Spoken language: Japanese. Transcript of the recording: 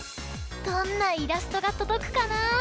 どんなイラストがとどくかな！